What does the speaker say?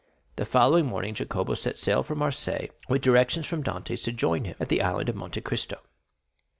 The following morning Jacopo set sail for Marseilles, with directions from Dantès to join him at the Island of Monte Cristo.